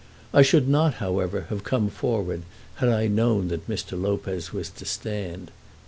I should not, however, have come forward had I known that Mr. Lopez was to stand.